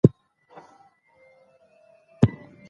ازادي راډیو د چاپیریال ساتنه په اړه د پېښو رپوټونه ورکړي.